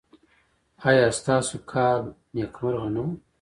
ایا ستاسو کال نیکمرغه نه و؟